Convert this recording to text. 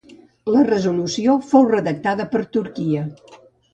La resolució fou redactada per Turquia.